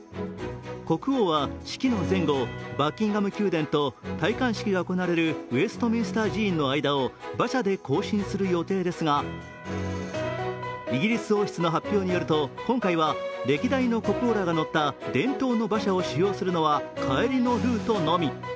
国王は式の前後、バッキンガム宮殿と戴冠式が行われるウエストミンスター寺院の間を馬車で行進する予定ですが、イギリス王室の発表によると、今回は歴代の国王らが乗った伝統の馬車を使用するのは帰りのルートのみ。